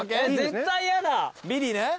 ビリね。